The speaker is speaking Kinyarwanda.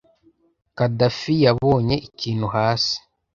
Khadafi yabonye ikintu hasi.